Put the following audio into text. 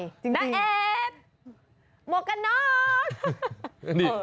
น้าแอดหมวกกะน็อก